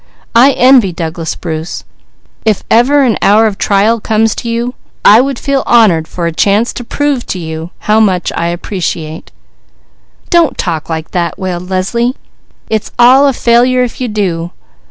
I envy Douglas Bruce. If ever an hour of trial comes to you, I would feel honoured for a chance to prove to you how much I appreciate " "Don't talk like that!" wailed Leslie. "It's all a failure if you do!